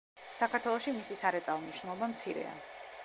საქართველოში მისი სარეწაო მნიშვნელობა მცირეა.